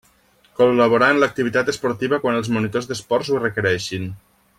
Col·laborar en l'activitat esportiva quan els monitors d'esports ho requereixin.